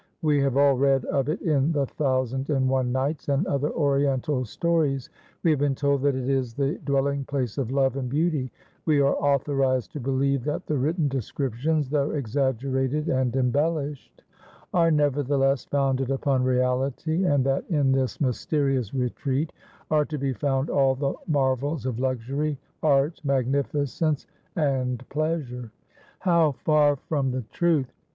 We have all read of it in 'The Thousand and One Nights,' and other Oriental stories; we have been told that it is the dwelling place of Love and Beauty; we are authorized to believe that the written descriptions, though exaggerated and embellished, are nevertheless founded upon reality, and that in this mysterious retreat are to be found all the marvels of luxury, art, magnificence and pleasure. How far from the truth!